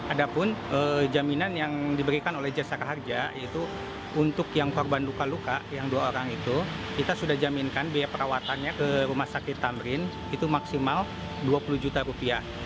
ada pun jaminan yang diberikan oleh jasara harja yaitu untuk yang korban luka luka yang dua orang itu kita sudah jaminkan biaya perawatannya ke rumah sakit tamrin itu maksimal dua puluh juta rupiah